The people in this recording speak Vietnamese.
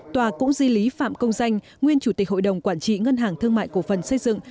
tòa cũng di lý phạm công danh nguyên chủ tịch hội đồng quản trị ngân hàng thương mại cổ phần xây dựng